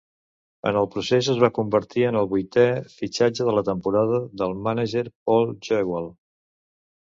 En el procés es va convertir en el vuitè fitxatge de la temporada del mànager Paul Jewell.